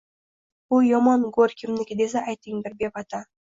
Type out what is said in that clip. Bu yomon go’r kimniki desa ayting bir bevatan